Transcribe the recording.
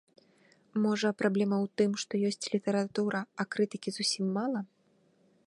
Можа, праблема ў тым, што ёсць літаратура, а крытыкі зусім мала?